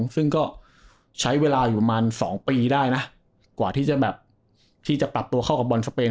ซึ่งก็ใช้เวลาอยู่ประมาณ๒ปีได้นะกว่าที่จะแบบที่จะปรับตัวเข้ากับบอลสเปน